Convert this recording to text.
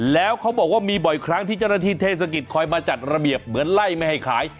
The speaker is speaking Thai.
แล้วเขาบอกว่ามีบ่อยครั้งที่เจ้าหน้าที่เทศกิจคอยมาจัดระเบียบเหมือนไล่ไม่ให้ขาย